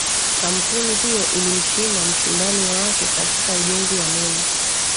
kampuni hiyo ilimshinda mshindani wake katika ujenzi wa meli